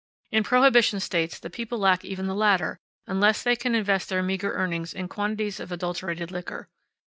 In Prohibition States the people lack even the latter, unless they can invest their meager earnings in quantities of adulterated liquor.